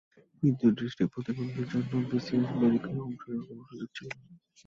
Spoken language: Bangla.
কিন্তু দৃষ্টিপ্রতিবন্ধীদের জন্য বিসিএস পরীক্ষায় অংশ নেওয়ার কোনো সুযোগ ছিল না।